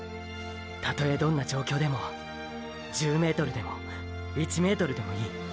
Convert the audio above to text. たとえどんな状況でも１０ｍでも１ｍでもいい。